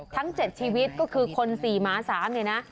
ทั้งเจ็ดชีวิตก็คือคนสี่หมาสามนี่นะ